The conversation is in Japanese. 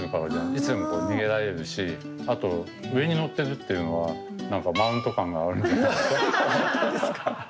いつでも逃げられるしあと上に乗ってるっていうのは何かマウント感があるんじゃないですか？